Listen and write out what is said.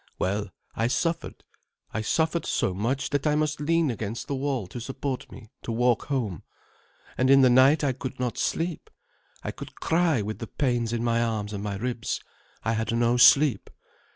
Well, I suffered. I suffered so much, that I must lean against the wall to support me to walk home. And in the night I could not sleep, I could cry with the pains in my arms and my ribs, I had no sleep.